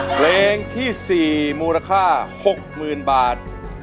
เพลงที่๔มูลค่า๖๐๐๐บาท